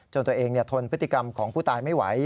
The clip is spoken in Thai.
ตัวเองทนพฤติกรรมของผู้ตายไม่ไหว